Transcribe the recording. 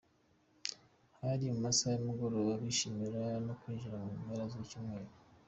Hari mu masaha y’umugoroba, bishimira no kwinjira mu mpera z’icyumweru.